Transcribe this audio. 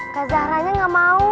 kekacesa haranya gak mau